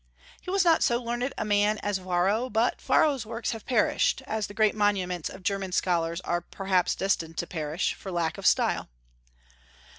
He was not so learned a man as Varro; but Varro's works have perished, as the great monuments of German scholars are perhaps destined to perish, for lack of style.